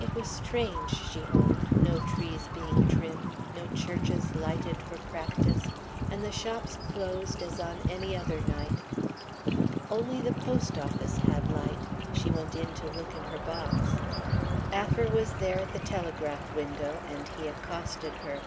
It was strange, she owned: no trees being trimmed, no churches lighted for practice, and the shops closed as on any other night. Only the post office had light she went in to look in her box. Affer was there at the telegraph window, and he accosted her.